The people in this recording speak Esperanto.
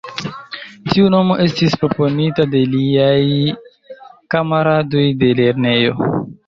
Tiu nomo estis proponita de liaj kamaradoj de lernejo.